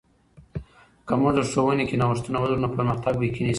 که موږ د ښوونې کې نوښتونه ولرو، نو پرمختګ به یقیني سي.